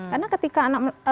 karena ketika anak